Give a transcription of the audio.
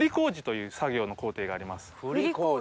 麹という作業の工程があります。